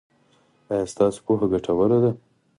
ایا ستاسو پوهه ګټوره ده؟